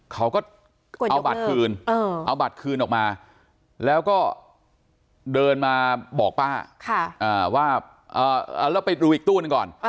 เขาก็เอาบัตรคืนเอาบัตรคืนออกมาแล้วก็เดินมาบอกป้าว่าแล้วไปดูอีกตู้นึงก่อน